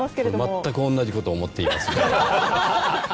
全く同じこと思っていますね。